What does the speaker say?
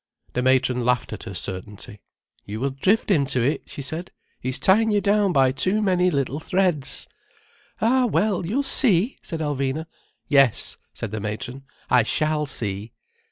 The matron laughed at her certainty. "You will drift into it," she said. "He is tying you down by too many little threads." "Ah, well, you'll see!" said Alvina. "Yes," said the matron. "I shall see."